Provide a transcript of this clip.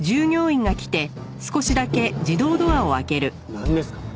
なんですか？